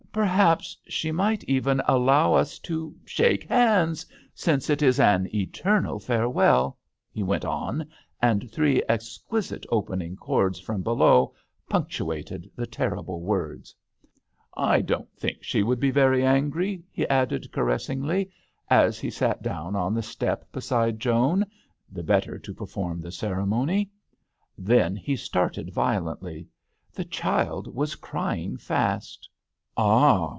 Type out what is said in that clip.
" Perhaps she might even allow us to shake hands, since it is an eternal farewell," he went on, and three exquisite opening chords from below punctuated the terrible words, I don't think she would be very angry," he added, caressingly, as he sat down on the step beside Joan, the better to perform the cere mony. Then he started violently ; the child was crying fast. Ah